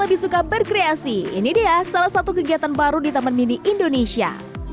lebih suka berkreasi ini dia salah satu kegiatan baru di teman mini indonesia